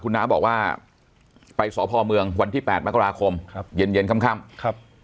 คุณน้าบอกว่าไปสพเมืองวันที่๘มกราคมเย็นค่ำ